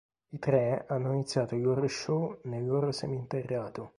I tre hanno iniziato il loro show nel Loro seminterrato.